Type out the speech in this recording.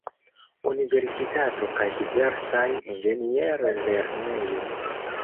Universitato kaj diversaj inĝenier-lernejoj.